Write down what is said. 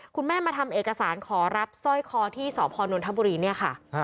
คุณแม่มาทำเอกสารขอรับสร้อยคอที่สพนนทบุรีเนี่ยค่ะ